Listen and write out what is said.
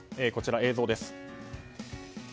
こちら映像です。